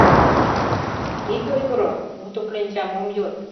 — Ит ойгыро — уто кленчам ом йод.